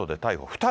２人？